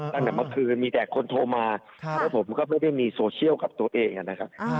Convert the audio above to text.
ตั้งแต่เมื่อคืนมีแต่คนโทรมาแล้วผมก็ไม่ได้มีโซเชียลกับตัวเองนะครับ